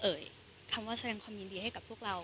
คำว่าแสดงความยินดีให้กับพวกเรา